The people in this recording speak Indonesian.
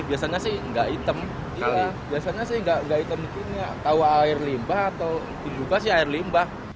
biasanya sih nggak hitam biasanya sih nggak hitam air limbah atau diduga sih air limbah